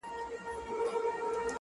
زه به يې ياد يم که نه~